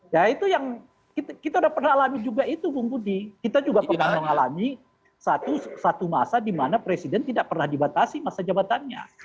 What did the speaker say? ya itu yang kita udah pernah alami juga itu bung budi kita juga pernah mengalami satu masa di mana presiden tidak pernah dibatasi masa jabatannya